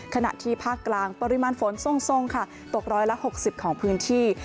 ขณะที่ภาคกลางปริมาณฝนทรงค่ะตกร้อยละ๖๐ของพื้นที่